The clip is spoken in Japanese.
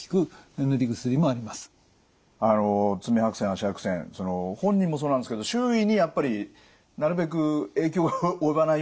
爪白癬足白癬本人もそうなんですけど周囲にやっぱりなるべく影響が及ばないようにしていきたいですよね。